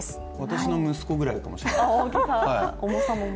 私の息子ぐらいかもしれない。